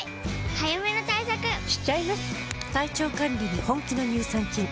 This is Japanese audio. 早めの対策しちゃいます。